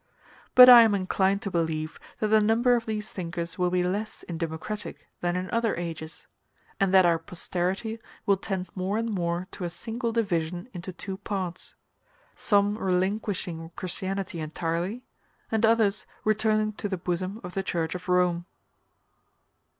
But I am inclined to believe that the number of these thinkers will be less in democratic than in other ages; and that our posterity will tend more and more to a single division into two parts some relinquishing Christianity entirely, and others returning to the bosom of the Church of Rome.